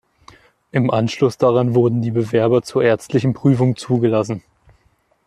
Im Anschluss daran wurden die Bewerber zur ärztlichen Prüfung zugelassen.